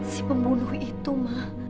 si pembunuh itu ma